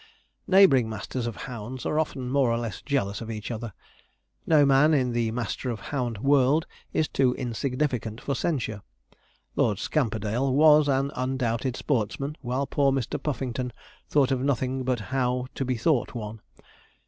Neighbouring masters of hounds are often more or less jealous of each other. No man in the master of hound world is too insignificant for censure. Lord Scamperdale was an undoubted sportsman; while poor Mr. Puffington thought of nothing but how to be thought one.